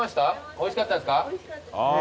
おいしかったですか？